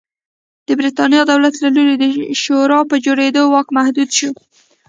د برېټانیا دولت له لوري د شورا په جوړېدو واک محدود شو.